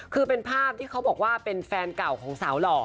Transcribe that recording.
คือเป็นภาพที่เขาบอกว่าเป็นแฟนเก่าของสาวหล่อ